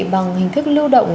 bằng hình thức lưu động